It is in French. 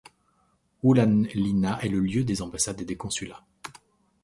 Ullanlinna est le lieu des ambassades et des consulats.